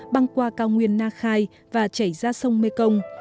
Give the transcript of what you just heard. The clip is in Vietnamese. băng qua cao nguyên na khai và chảy ra sông mê công